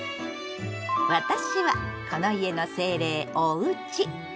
私はこの家の精霊「おうち」。